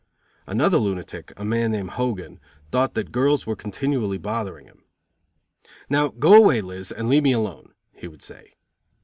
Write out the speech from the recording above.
Another lunatic, a man named Hogan, thought that girls were continually bothering him. "Now go away, Liz, and leave me alone," he would say.